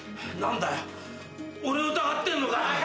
何だよ俺を疑ってんのかよ。